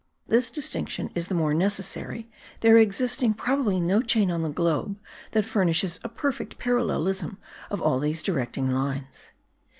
This distinction is the more necessary, there existing probably no chain on the globe that furnishes a perfect parallelism of all these directing lines.